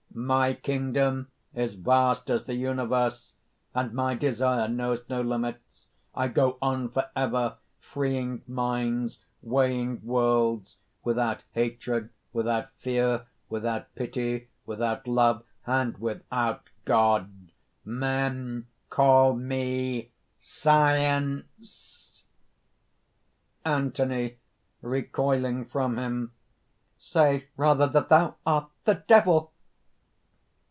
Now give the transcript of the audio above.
"My kingdom is vast as the universe; and my desire knows no limits. I go on forever, freeing minds, weighing worlds, without hatred, without fear, without pity, without love, and without God. Men call me SCIENCE!" ANTHONY (recoiling from him): "Say, rather, that thou art ... the Devil!"